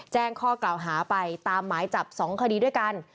แจ้งข้อกล่าวหาไปตามหมายจับ๒คดีด้วยกัน